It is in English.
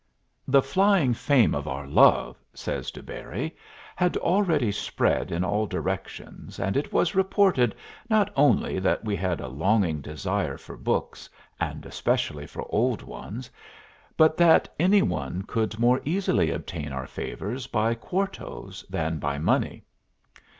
"The flying fame of our love," says de Bury, "had already spread in all directions, and it was reported not only that we had a longing desire for books, and especially for old ones, but that any one could more easily obtain our favors by quartos than by money.